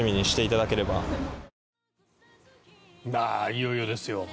いよいよですよ。